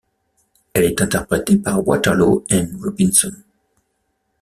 Elle est interprétée par Waterloo & Robinson.